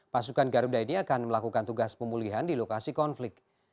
pasukan garuda ini akan melakukan tugas pemulihan di lokasi konflik